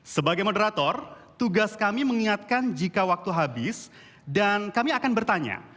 sebagai moderator tugas kami mengingatkan jika waktu habis dan kami akan bertanya